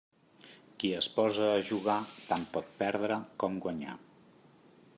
Qui es posa a jugar, tant pot perdre com guanyar.